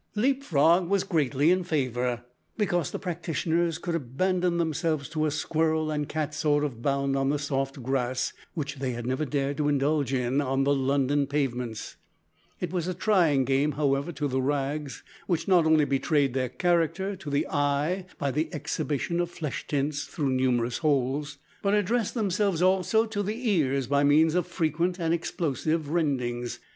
Leap frog was greatly in favour, because the practitioners could abandon themselves to a squirrel and cat sort of bound on the soft grass, which they had never dared to indulge in on the London pavements. It was a trying game, however, to the rags, which not only betrayed their character to the eye by the exhibition of flesh tints through numerous holes, but addressed themselves also to the ears by means of frequent and explosive rendings.